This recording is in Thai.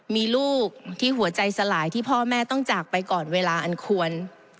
มีลูกที่หัวใจสลายที่พ่อแม่ต้องจากไปก่อนเวลาอันควร